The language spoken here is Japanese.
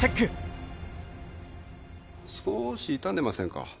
少し傷んでませんか？